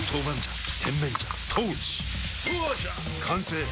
完成！